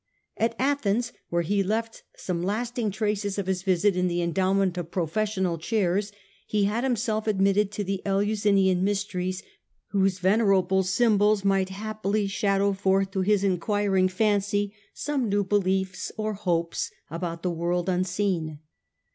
At Athens, where he left some lasting traces of his visit in the endowment of professorial chairs, he had himself admitted to the Eleusinian mysteries, whose venerable symbols might haply shadow forth to his in 147 1 8o. Marcus Aurelius Antonimis, 109 quiring fancy some new beliefs or hopes about the world unseen.